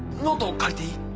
借りていい？